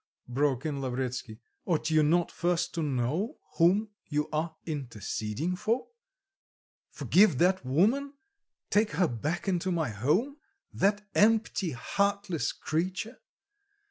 broke in Lavretsky. "Ought you not first to know whom you are interceding for? Forgive that woman, take her back into my home, that empty, heartless creature!